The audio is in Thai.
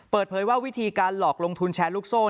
เปิดเผยว่าวิธีการหลอกลงทุนแชร์ลูกโซ่